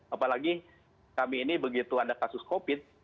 apalagi kami ini begitu ada kasus covid